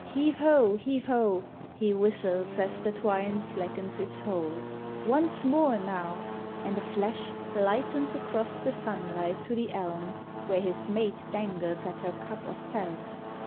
Heave, ho! Heave, ho! he whistles as the twine Slackens its hold ; once more, now ! and a flash UNDER THE WILLOWS. 13 Lightens across the sunlight to the elm Where his mate dangles at her cup of felt.